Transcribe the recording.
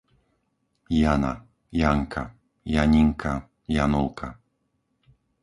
Jana, Janka, Janinka, Janulka